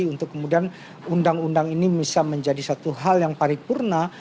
untuk kemudian undang undang ini bisa menjadi satu hal yang paripurna